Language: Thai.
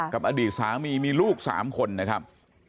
กับอดีตสามีมีลูก๓คนนะครับ